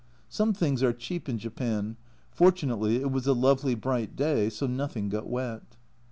Some things are cheap in Japan. Fortunately it was a lovely bright day, so nothing got wet.